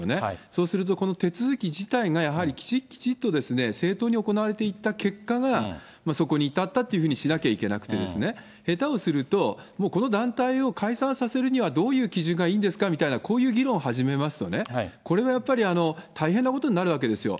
そうすると、この手続き自体がやはりきちっきちっと正当に行われていった結果が、そこに至ったというふうにしなきゃいけなくてですね、下手をするともうこの団体を解散させるにはどういう基準がいいんですかみたいな、こういう議論を始めますとね、これがやっぱり大変なことになるわけですよ。